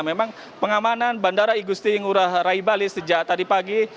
memang pengamanan bandara igusti ngurah rai bali sejak tadi pagi